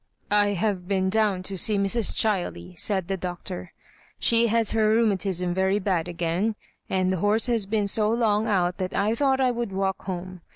" I have been down to see Mrs. Ohiley, said the Doctor ;" she has her rheumatism very bad again ; and the horse has been so long out thai I thought I would walk home.